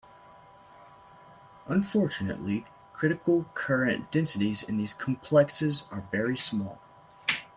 Unfortunately, critical current densities in these complexes are very small.